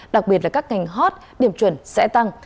đặc biệt là các ngành hot điểm chuẩn sẽ tăng